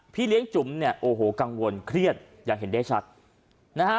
เลี้ยงจุ๋มเนี่ยโอ้โหกังวลเครียดอย่างเห็นได้ชัดนะฮะ